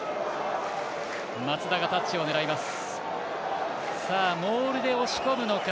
松田がタッチを狙います。